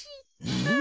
うん？